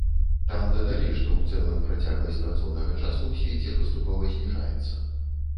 Там дадалі, што ў цэлым працягласць працоўнага часу ў свеце паступова зніжаецца.